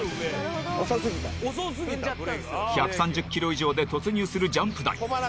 １３０ｋｍ以上で突入するジャンプ台。